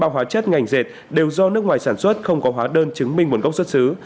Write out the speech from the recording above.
hai trăm bốn mươi ba hóa chất ngành dệt đều do nước ngoài sản xuất không có hóa đơn chứng minh một gốc xuất xứ